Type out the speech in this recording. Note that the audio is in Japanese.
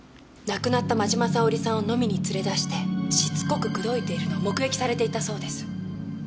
亡くなった真嶋沙織さんを飲みに連れ出してしつこく口説いているのを目撃されていたそうです。